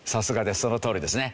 そのとおりですね。